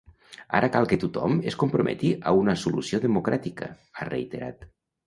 “Ara cal que tothom es comprometi a una solució democràtica”, ha reiterat.